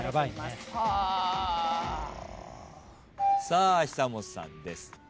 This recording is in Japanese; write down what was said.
さあ久本さんです。